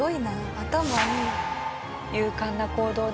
頭いい。